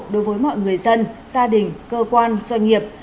đối với mọi người dân gia đình cơ quan doanh nghiệp